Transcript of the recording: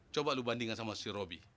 coba lu bandingkan sama si roby